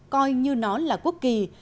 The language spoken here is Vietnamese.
coi như nó là quốc kỳ